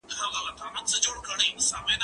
زه اجازه لرم چې اوبه وڅښم